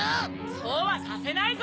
そうはさせないぞ！